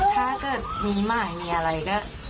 ถ้าเกิดมีใหม่มีอะไรก็